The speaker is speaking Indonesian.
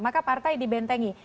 maka partai dibentengi